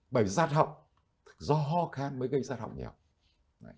bởi vì rát học do ho can mới gây rát học nhỉ